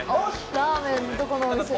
ラーメン、どこのお店が。